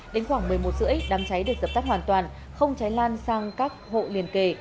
đến khoảng một mươi một h ba mươi đám cháy được dập tắt hoàn toàn không cháy lan sang các hộ liền kề